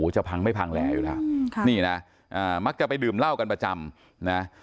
จะพังไม่พังแหลอยู่แล้วนี่นะมักจะไปดื่มเหล้ากันประจำนะ